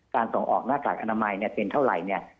การส่องออกหน้ากากอนามัยเป็นเท่าไหร่